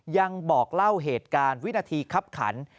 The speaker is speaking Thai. ยังบอกเล่าเหตุการณ์วินาทีคับขัน